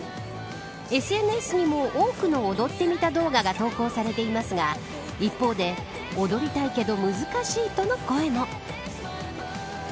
ＳＮＳにも多くの踊ってみた動画が投稿されていますが、一方で踊りたいけど難しいとの声も。